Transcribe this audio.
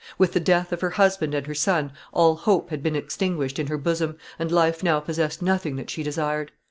With the death of her husband and her son all hope had been extinguished in her bosom, and life now possessed nothing that she desired.